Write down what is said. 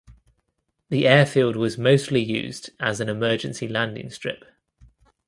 The airfield was mostly used as an Emergency Landing strip.